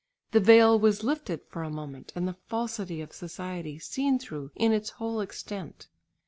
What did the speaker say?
The veil was lifted for a moment and the falsity of society seen through in its whole extent.